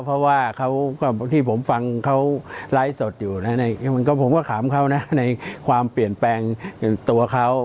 เพราะว่าเขาก็ที่ผมฟังเขาไลฟ์สดอยู่นะผมก็ถามเขานะในความเปลี่ยนแปลงตัวเขา